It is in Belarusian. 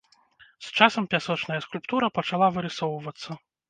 З часам пясочная скульптура пачала вырысоўвацца.